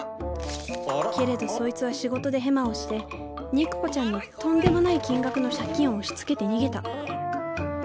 けれどそいつは仕事でヘマをして肉子ちゃんにとんでもない金額の借金を押しつけて逃げた。